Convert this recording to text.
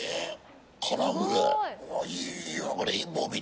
カラフルだ。